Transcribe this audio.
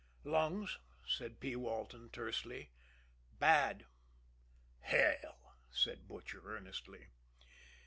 "Lungs," said P. Walton tersely. "Bad." "Hell!" said the Butcher earnestly.